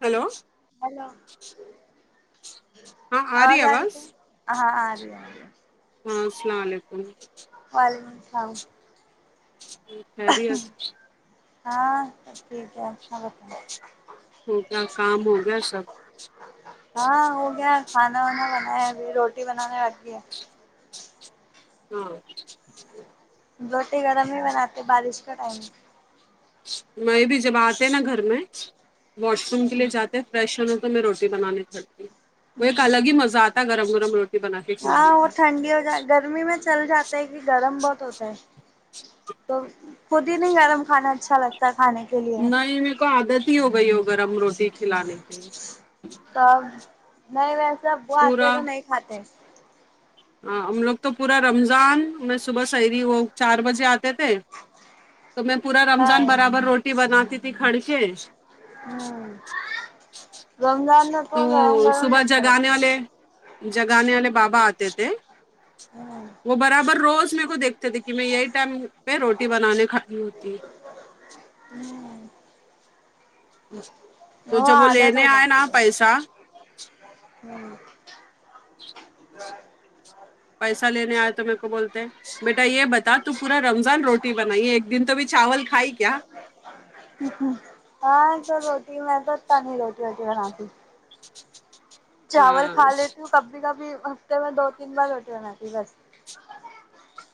hello hello آواز آ رہی کیا ہاں آ رہی آ رہی ہاں سلام علیکم وعلیکم السلام ام خیریت ہاں سب ٹھیک ہے اپنا بتاے ہوگیا کام ہو گیا سب ہاں ہو گیا کھانا وانا بنایا ابھی روٹی بنانے رگھی ہے ہاں روٹی گرم ہی بناتے بارش کا ٹائم میں بھی جب آتے نا گھر میں واش روم کے لیے جاتے فریش ہوں تو میں روٹی بنانی پڑتی ہوں وہ ایک الگ ہی مزہ آتا گرم گرم روٹی بنا کے ہاں کھلانے وہ کا ٹھنڈی ہو ج گرمی میں چل جاتا ہے کہ گرم بہت ہوتا ہے تو خود ہی نہیں گرم کھانا اچھا لگ تا کھانے کے لیے نہیں میرے کو عادت ہی ہو گئی ہو گرم روٹی کھلانے کے تب نہیں ویسے اب وہ آتے پورا تو نہیں کھاتے ہاں ہم لوگ تو پورا رمضان میں صبح سحری وہ چار بجے آتے تھے تو میں پورا ہاں رمضان برابر روٹی بناتی تھی کھڑ کے ہوں رمضان نہ تو گرم گرام ہی صبح اچھا جگانے لگتا والے جگانے والے بابا آتے تھے ہمم وہ برابر روز میرے کو دیکھ تے میں یہی ٹائم پہ روٹی بنانے کھڑی ہوتی یوں امم تو وہ جب عادت ہو لینے آئے جاتی نا ہے پیسہ ام پیسہ لینے آئے تو میرے کو بولتے ہیں بیٹا یے بتا تو پورا رمضان روٹی بنائی ایک دن تو بھی چاول کھائی کیا ہاں تو روٹی میں تو اتنا نہیں روٹی ووٹی بناتی چ چ چ چاول کھا لیتی ہوں کبھی کبھی ہفتے میں دو تین بار روٹی بناتی بس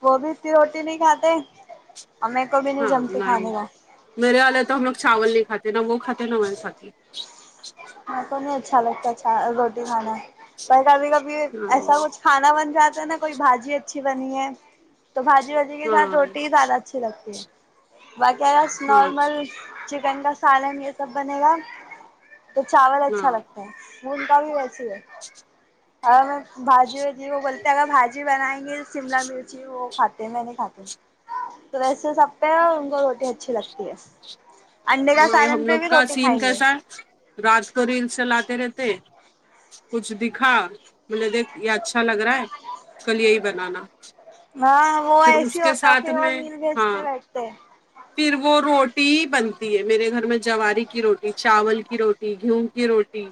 وہ بھی اتنی روٹی نہیں کھاتے ہمیں ہاں نہیں میرے والے تو ہم لوگ چاول نہیں کھاتے نہ وہ کھاتے نہ میں کھاتی میرے کو انہیں اچھا لگتا چا روٹی کھانا پر کبھی کبھی ہاں ایسا کچھ کھانا بن جاتا ہے نا کوئی بھاجی اچھی بنی ہے تو بھاجی واجی کے ہاں ساتھ روٹی ہی زیادہ اچھی لگتی ہے باقی ہاں اچھا نارمل چکن کا سالن یے سب بنے گا تو چاول اچھا ہاں لگتا ہے مونکا بھی ویسی ہے اور ہم بھاجی واجی وہ بولتے اگر بھاجی بنائیں گے شملہ مرچی وہ کھاتے تے میں نہیں کھاتی تو ویسے سب پے ان کو روٹی اچھی لگتی ہے انڈے کا نہیں سالن ہم پے لوگ بھی کا روٹی سین کھائیں گے کیسا ہے رات کو ریلس چلاتے رہتے کچھ دکھا مجھے دیکھ یے اچھا لگ رہا ہے کل یہی بنانا ہاں وہ پھر ایس اس ہی کے ہوتا ساتھ پھر وہ میں رییل ہاں بیچتے بیٹھتے ہے پھر وہ روٹی ہی بنتی ہے میرے گھر میں جواری کی روٹی چاول کی روٹی گیہوں کی روٹی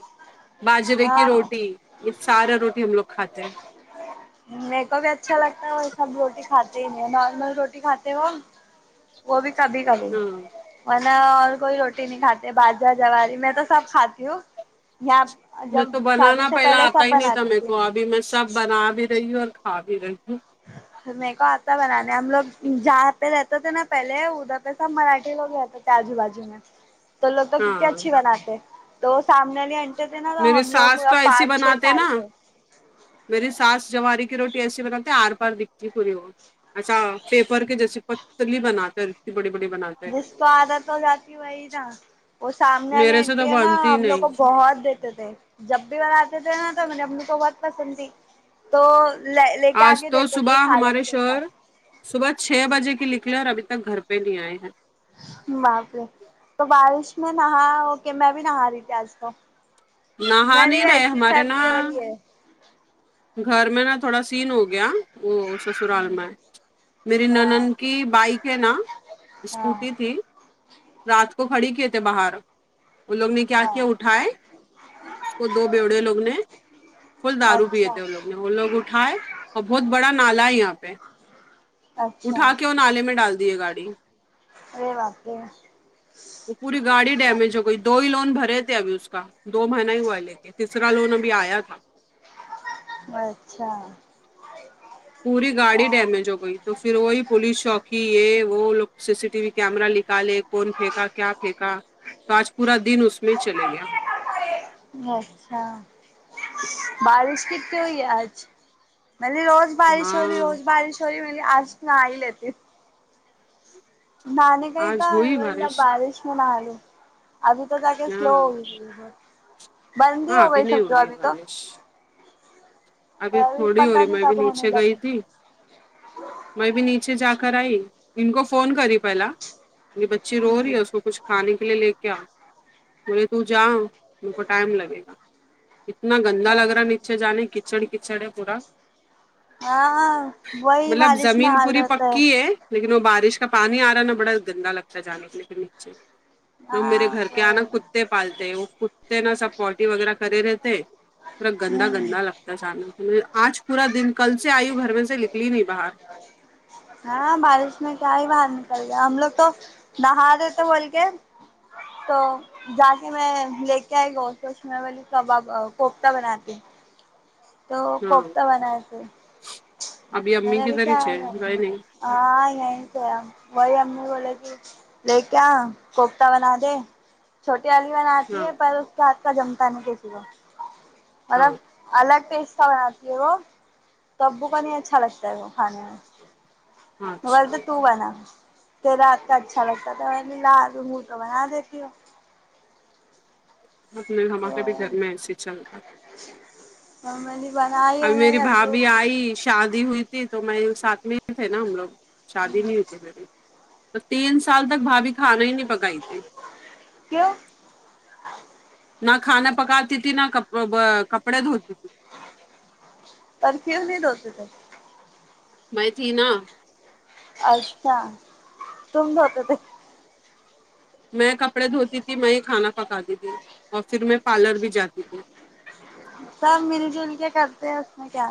باجرے کی ہاں روٹی یے سارا روٹی ہم لوگ کھاتے ہیں میر کو بھی اچھا لگتا ہے ہم روٹی کھاتے ہی نہیں نارمل روٹی کھاتے وہ وہ بھی کبھی کبھی ہاں اور نا کوئی روٹی نہیں کھاتے باجرا جاری میں تو سب کھاتی ہوں [unintelligible] میں تو شادی بنانا سے پہلے آتا سب ہی نہیں تھا بناتی میرے تھی کو ابھی میں سب بنا بھی رہی ہوں اور کھا بھی رہی ہوں میرے کو آتا بنانے ہم لوگ جہاں پے رہتے تھے نا پہلے ادھر پے سب مراٹھی لوگ رہتے تھے تے آجو بازو میں تو لوگ تو ہاں کتنی اچھی بناتے تو وہ سامنے انٹ ٹی تھے نا تو میرے ہم لوگ ساس تو ایسی پانچ چھ بناتے سال نا تھے میری ساس جواری کی روٹی ایسی بناتی ہیں ہار پار دکھتی ہے پوری وہ ایسا پیپر کے جیسا پتلی بناتے اتنی بڑی بڑی بناتے ہے جس کو عادت ہو جاتی وہی ڈالتے وہ سامنے والی میرے سے تو انٹی ہے نا بنتی ہی ہم لوگ نہیں کو بہت دیتے تھے جب بھی بناتے تھے نا تو میرے امی کو بہت پسند تھی تو لے لیکےآ آج کے تو دیتے تھے صبح ہمارے سالن کے شوہر ساتھ صبح چھ بجے کی نکلے اور ابھی تک گھر پے نہیں ائیے ہیں تو بارش میں نہاں ہو کہ میں بھی نہاں رہی تھی آج تو نہا میں نے نہیں رہے ویسی ہمارے نا سردی ہو رہی ہے گھر میں نا تھوڑا سین ہو گیا وہ سسرال میں میری ہاں نند کی بائیک ہے نا ہاں اسکوٹی تھی رات کو کھڑی کیے تھے باہر وہ لوگ نے کیا ہاں کیا اٹھائیں اس کو دو بیوڑے لوگ نے فل دارو پیے اچھا وہ لوگ نے وہ لوگ اٹھائے اور بہت بڑا نالہ ہے یہاں پے اچھا اٹھا کے اور وہ نالے میں ڈال دیں ہے گاڑی ارے باپ رے وہ پوری گاڑی اچھا ڈیمیج ہو گئی دو ہی لون بھرے تھے ابھی اس کا دو مہینہ ہی ہوا لے کے تیسرا لون ابھی آیا تھا اچھا پوری گاڑی ڈیمیج ہو گئی تو فر وہی پولیس چوکی یہ وہ لوگ C C T V camera لک نکالےکون پھینکا کیا پھینکا تو آج پورا دن اس میں چلے گیا اچھا بارش کتنی ہوئی ہے آج پہلی روز بارش ہو رہی ہاں روز بارش ہو رہی میں بولی آج نہاں ہی لیتی ہوں نہانے کا ہی آج تھا ہوئی مطلب بارش میں نہاں لو ابھی تو جا کے ہاں سلو ہوگئی بند ہی ہاں ہو ابھی گئی نہیں سمجھو رہی ہے ابھی تو بارش ابھی تھوڑی ہو پتا رہی نہیں میں ابھی کب ہونے نیچے گئی لگے تھی میں بھی نیچے جا کر آئی ان کو فون کری پہلا میری بچی رو رہی ہے اس کو کچھ کھانے کے لیے لے کے آ بولے تو جا ان کو ٹائم لگے گا اتنا گندا لگ رہا ہے نیچے جانے کچڑ کچڑ ہے پورا ہاں وہی مطلب بارش میں زمین حال پوری رہتا پکی ہے لیکن وہ بارش کا پانی آرہا نا بڑا گندا لگتا ہے جانے لے کے نیچے لوگ میرے ہاں گھر تو کے یہاں ناں کتے پالتے ہیں وہ کتے نا سب پوٹی وغیرہ کرے رہتے ہیں پورا گندا ہوں گندا لگتا ہے سامنے آج پورا دن کل سے آیو گھر میں سے نکلی نہیں باہر ہاں بارش میں کیا ہی باہر نکل گیا ہم لوگ تو نہاں رہے تھے بول کے تو جا کے میں لے کے آئی گوشت ووشت میں بولی کباب کوفتہ بناتے ہیں تو ہاں کوفتے بنائیے تھے ابھی میں امی نے کی بھی ادھر ہی کیا آگہ چھ گئے نہیں ہاں یہیں تھے وہی امی بولے کی لیں کے آ کوفتہ بناتے چھوٹی علی بناتی ہاں ہے پر اس کا ہاتھ کا جمتا نہیں کسی کو ہاں مطلب الگ پیستا بناتی ہے وہ تو ابو کنے اچھا لگتا ہے وہ کھانے میں ہاں بولتے اچھا ہے تو بنا کہ ہاتھ کا اچھا لگتا تھا میں بولی ہوں تو بنا دیتی ہوں اب نیں ہمارے بھی گھر میں ایسی چل تھا میں نے بنائی ابھی میری بنائی بھا وہ بھی ای شادی ہوئی تھی تو میں ان ساتھ میں ہی تھے نا ہم لوگ شادی نہیں ہوئی تھی میری تو تین سال تک بھابھی کھانا ہی نہیں پکائی تھی کیوں نہ کھانا پکاتی تھی نہ ک کپڑے دھوتی تھی پر کیوں نہیں دھوتے تھے میں تھی نا اچھا تم دھوتے تھے میں کپڑے دھوتی تھی میں یہ کھانا پکاتی تھی اور پھر میں پارلر بھی جاتی تھی سب مل جل کے کرتے ہیں اس میں کیا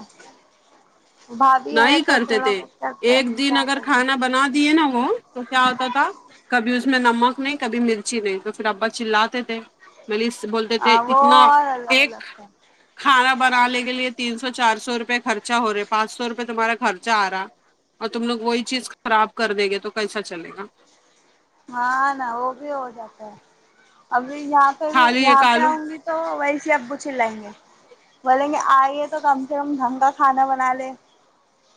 بھابھی نہ ہے ہی تو کرتے تھوڑا تھے بہت کرتے ایک ہیں دن کیا اگر کرنا کھانا بنا دیے نا وہ تو کیا ہوتا تھا کبھی اس میں نمک نہیں کبھی مرچی نہیں تو پھر ابا چلاتے تھے غلیظ بولتے تھے ہاں وہ اتنا اور الگ ایک الگ کھانا بنانے کے لیے تین سو چار سو روپے خرچا ہو رہا ہے پانچ سو روپے پ تمہارا خرچہ آ رہا اور تم لوگ وہی چیز خراب کر دیں گے تو کیسا چلے گا ہاں نا وہ بھی ہو جاتا ہے ابھی یہاں پہ بھی خالی ایک یہاں پہ آلو آؤں گی تو ویسے ابو چلائیں گے بولیں گے آئیے ہو تو کم سے کم ڈھنگ کا کھانا بنا لے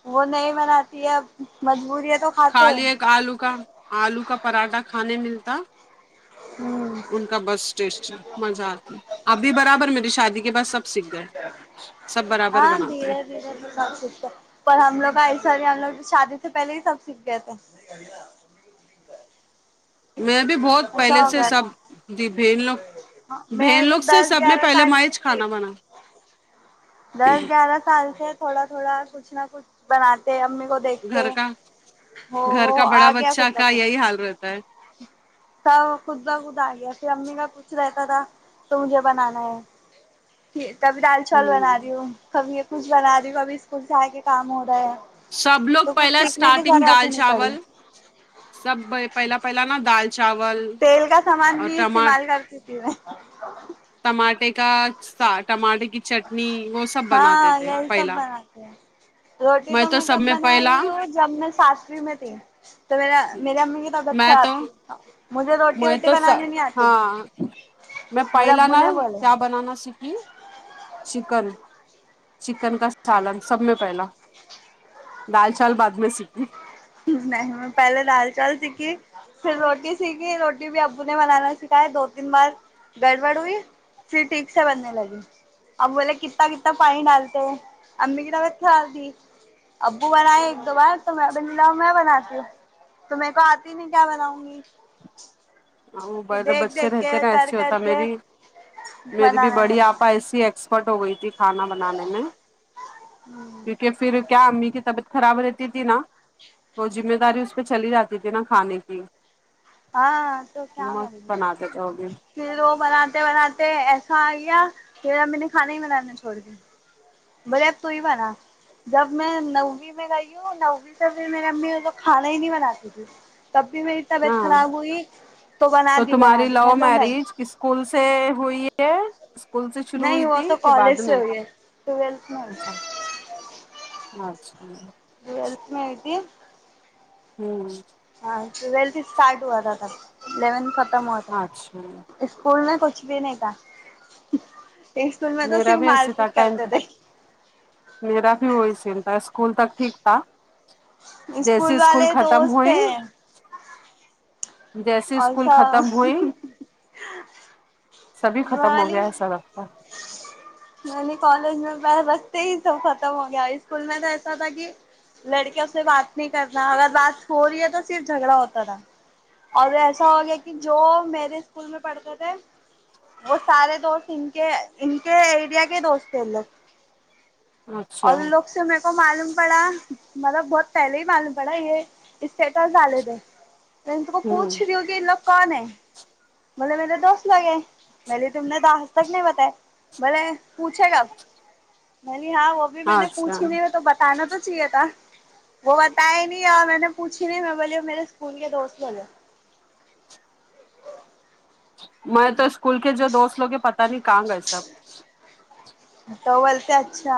وہ نہیں بناتی ہے اب مجبوری ہے تو کھاتے ہیں خالی ایک آلو کا آلو کا پراٹھا کھانے ملتا ہوں ان کا بس ٹیسٹی مزہ آتی ابھی برابر میری شادی کے بعد سب سیکھ گئے سب برابر ہاں بناتے ہیں دھیرے دھیرے سب سیکھتے پر ہم لوگ کا ایسا ہی ہم لوگ شادی سے پہلے ہی سب سیکھ گئے تھے میں بھی بہت پہلے ایسا ہو سے گیا سب تھا یے بہن لوگ بہن میں تو لوگ سے دس سب میں گیارہ پہلے سال میں کی چ تھی کھانا بنا دس گیارہ سال سے تھوڑا تھوڑا کچھ نہ کچھ بناتے امی کو دیکھتے گھر کا ہو آ گیا خود با خود کیا حال رہتا ہے سب خود با خود آ گیا پھر امی کا پوچھ رہتا تھا تو مجھے بنانا ہے کبھی دال چاول بنا ہ رہی ہوں کبھی یہ کچھ بنا رہی ہو کبھی اسکول سے آ کے کام ہو رہا ہے سب لوگ تو کچھ پہلے سیکھنے کی اسٹارٹنگ ضرورت دال ہی نہیں پڑی چاول سب پہلا پہلا نا دال چاول تیل کا سامان اور بھی ٹما استعمال کرتی تھی میں ٹماٹے کا سا ٹماٹے کی چٹنی وہ سب بناتے ہاں تھے یہی سب پہلا بناتے ہیں روٹی تو میں کب بنا رہی ہوں جب میں ساتویں میں تھی تو میر میرے امی کی طبیعت میں خراب تو تھی مجھے روٹی میں ووٹی تو سب بنانے نہیں آتی ہاں میں میرے پہلا ابو نا نے بولے کیا بنانا سیکھ ہوں چکن چکن کا سالن سب میں پہلا دال چاول بعد میں سیکھی نہیں میں پہلے دال چاول سیکھی پھر روٹی سیکھی روٹی بھی ابو نے بنانا سکھایا دو تین بار گڑبڑ ہوئی پھر ٹھیک سے بننے لگی اب بولے کتا کتا پانی ڈالتے امی کی طبیعت خراب تھی ابو بنائے ایک دو بار تو میں لاؤ میں بناتی ہوں تو میرے کو آتی میں کیا بناؤں گی وہ پھر بے دیکھ بچے دیکھ کے رہتے نا کر ایسے کر ہوتا کے میری میری بھی بنانے بڑی لگے آپا ایسی ایکس ایکسپرٹ ہو گئی تھی کھانا بنانے میں کیونکہ پھر کیا امی کی طبیعت خراب رہتی تھی نا وہ ذمہ داری اس پہ چلی جاتی تھی نا کھانے کی ہاں تو کیا مست کریں گے بنا دیتے ہو گے پھر وہ بناتے بناتے ایسا آ گیا پھر ہم میں نے کھانا ہی بنانا چھوڑ دیا بولے اب تو ہی بنا جب میں نووی میں گئی ہوں نووی سے بھی میری امی تو کھانا ہی نہیں بناتی تھی تب بھی میری طبیعت ہاں خراب ہوئی بنا تو دی بنا تمہاری دی لو نہیں تو نہیں میرج اسکول سے ہوئی ہے سے شروع نہیں ہوئی وہ تھی تو کہ کالج بعد سے میں ہوئی ہے ٹویلتھ اچھا پاس اچھا ٹویلتھ میں ہوئی تھی ہوں ہاں ٹویلتھ ہی اسٹارٹ ہوا تھا تب الیون ختم ہوا تھا اچھا اسکول میں کچھ بھی نہیں تھا اسکول میں تو میرا صرف بھی مار ایسے تھا پیٹ کرتے ٹینتھ تھے میرا بھی وہی سین تھا اسکول تک ٹھیک تھا جیسے اسکول والے ختم دوست ہوئی تھے جیسے اور اسکول ختم سب ہوئی سبھی ختم ہو والی گیا ایسا [inaudible] میں نے کالج میں پیر رکھتے ہی سب ختم ہو گیا اسکول میں تو ایسا تھا کہ لڑکیوں سے بات نہیں کرنا اگر بات ہو رہی ہے تو صرف جھگڑا ہوتا تھا اور ایسا ہو گیا کہ جو میرے اسکول میں پڑھتے تھے وہ سارے دوست ان کے ان کے ایریا کے دوست تھے لوگ اچھا اور لوگ سے میں کو معلوم پڑا مطلب بہت پہلے ہی معلوم پڑا یہ اسٹیٹس ڈالے تھے میں ان کو پوچھ رہی ہوں کہ یہ لوگ کون ہے بولے میرے دوست لوگ ہے میں لے تم نے دال تک نہیں بتائے ہے بلے پوچھے گا نہیں ہاں وہ ابھی میں نے اچھا پوچھ ہی نہیں ہے تو بتانا تو چاہیے تھا وہ بتیا نہیں اور میں نے پوچھی نہیں میں بول میرے اسکول کے دوست بولے میں تو اسکول کے جو دوست لوگے پتا نہیں کہاں گئے سب تو وہ بولتے اچھا